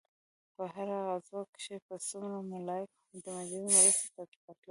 په هره غزوه کښې به څومره ملايک د مجاهدينو مرستې ته راتلل.